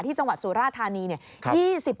จังหวัดสุราธานีเนี่ย